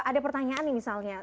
ada pertanyaan nih misalnya